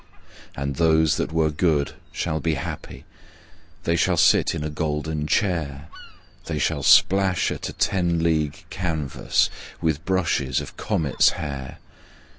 And those that were good shall be happy; they shall sit in a golden chair; They shall splash at a ten league canvas with brushes of comets' hair.